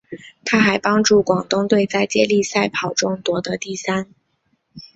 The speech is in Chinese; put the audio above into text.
她还帮助广东队在接力赛跑中夺得第三。